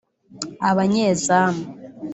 Abanyezamu